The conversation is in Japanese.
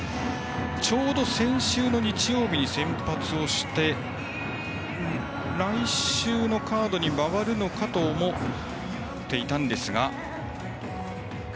ちょうど、先週日曜日に先発して来週のカードに回るのかと思っていたんですが。